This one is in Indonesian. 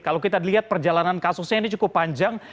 kalau kita lihat perjalanan kasusnya ini cukup panjang